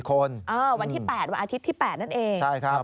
คนวันที่๘วันอาทิตย์ที่๘นั่นเองใช่ครับ